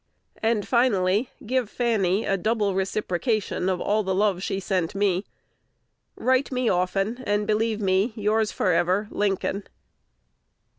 And, finally, give Fanny a double reciprocation of all the love she sent me. Write me often, and believe me Yours forever, Lincoln.